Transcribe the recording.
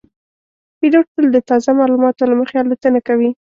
پیلوټ تل د تازه معلوماتو له مخې الوتنه کوي.